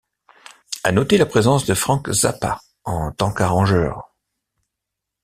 À noter la présence de Frank Zappa en tant qu'arrangeur.